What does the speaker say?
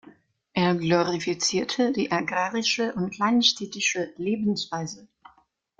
Er glorifizierte die agrarische und kleinstädtische Lebensweise.